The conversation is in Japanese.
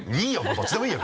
どっちでもいいよ！